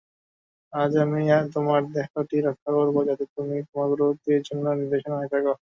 আজ আমি তোমার দেহটি রক্ষা করব যাতে তুমি তোমার পরবর্তীদের জন্য নিদর্শন হয়ে থাক।